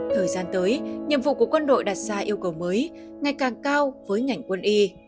thời gian tới nhiệm vụ của quân đội đặt ra yêu cầu mới ngày càng cao với ngành quân y